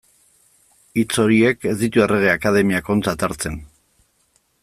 Hitz horiek ez ditu Errege Akademiak ontzat hartzen.